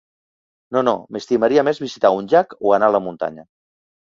No, no, m'estimaria més visitar un llac, o anar a la muntanya.